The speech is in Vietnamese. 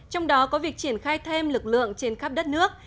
trong đó có việc triển khai thêm lực lượng trên khắp đất nước